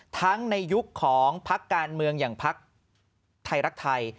ทั้งในยุคของพักการเมืองอย่างพักไทยรักไทย